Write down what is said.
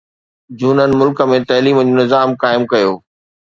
جهونن ملڪ ۾ تعليم جو نظام قائم رکيو